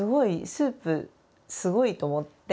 スープすごいと思って。